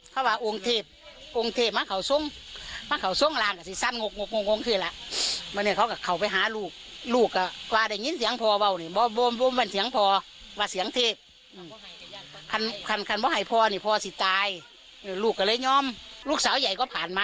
พี่ใหญ่ก็ผ่านมาแล้วไม่มีลูกมาเจอลูกสาวน้อยอีกมันมีท่องสองเรียนมาเลยดัง